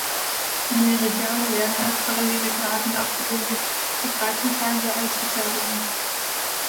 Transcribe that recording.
Die Meridiane werden als parallele Geraden abgebildet, die Breitenkreise als Hyperbeln.